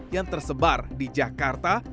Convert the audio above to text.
yang tersebar di jakarta